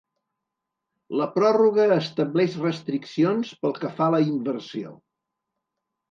La pròrroga estableix restriccions pel que fa la inversió.